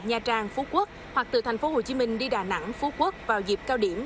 nha trang phú quốc hoặc từ thành phố hồ chí minh đi đà nẵng phú quốc vào dịp cao điểm